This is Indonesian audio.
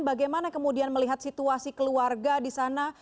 bagaimana kemudian melihat situasi keluarga di sana